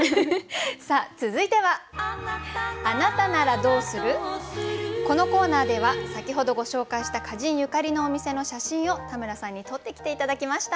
さあ続いてはこのコーナーでは先ほどご紹介した歌人ゆかりのお店の写真を田村さんに撮ってきて頂きました。